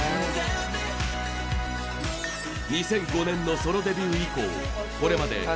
２００５年のソロデビュー以降これまで。